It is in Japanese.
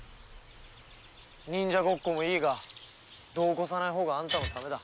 忍者ごっこもいいが度を越さないほうがあんたのためだ。